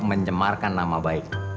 menjemarkan nama baik